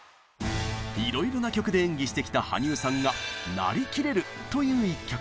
いろいろな曲で演技してきた羽生さんが「なりきれる」という一曲。